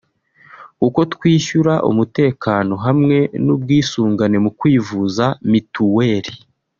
kuko twishyura umutekano hamwe n’ubwisungane mu kwivuza mituweri